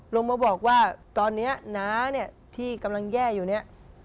ลงมาบอกว่าตอนนี้น้าเนี่ยที่กำลังแย่อยู่เนี่ย